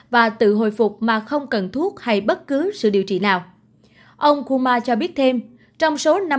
và tự hồi phục mà không cần thuốc hay bất cứ sự điều trị nào ông kuma cho biết thêm trong số năm